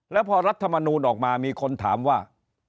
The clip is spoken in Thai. แล้วพอรัฐมนูลออกมามีคนถามว่า